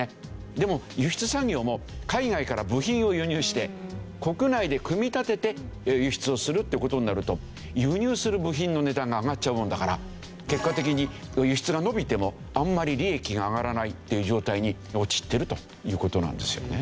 でも輸出産業も海外から部品を輸入して国内で組み立てて輸出をするっていう事になると輸入する部品の値段が上がっちゃうもんだから結果的に輸出が伸びてもあんまり利益が上がらないっていう状態に陥ってるという事なんですよね。